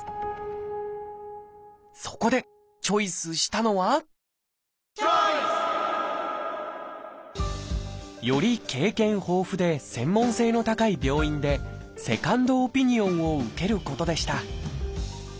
そこでチョイスしたのはより経験豊富で専門性の高い病院でセカンドオピニオンを受けることでした。